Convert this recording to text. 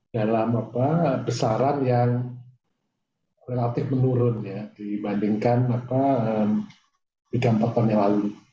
dalam besaran yang relatif menurun dibandingkan tiga empat tahun yang lalu